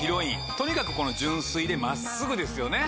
とにかく純粋で真っすぐですよね。